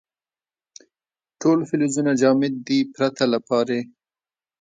ټول فلزونه جامد دي پرته له پارې.